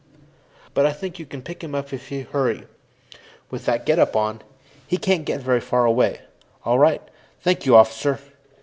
"But I think you can pick him up if you hurry. With that getup on, he can't get very far away. All right. Thank you, Officer."